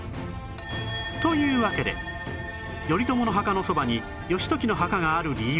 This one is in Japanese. というわけで頼朝の墓のそばに義時の墓がある理由